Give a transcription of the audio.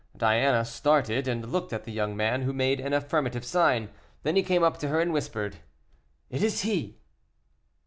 Diana started, and looked at the young man, who made an affirmative sign; then he came up to her and whispered: "It is he!"